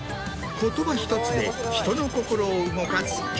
言葉１つで人の心を動かす。